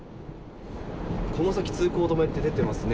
この先、通行止めって出てますね。